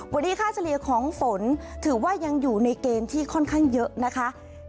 วันนี้ค่าเฉลี่ยของฝนถือว่ายังอยู่ในเกณฑ์ที่ค่อนข้างเยอะนะคะ